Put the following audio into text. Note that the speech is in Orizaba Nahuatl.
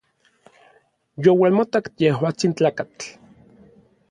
Youalmotak yejuatsin tlakatl.